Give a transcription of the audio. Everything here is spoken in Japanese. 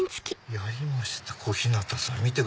やりました小日向さん！